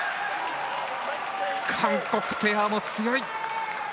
韓国ペアも強い。